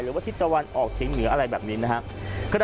หรือว่าทิศตะวันออกทิ้งเหนืออะไรแบบนี้นะครับ